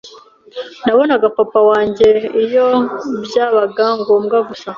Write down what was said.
nabonaga papa wanjye iyo byabaga ngombwa gusa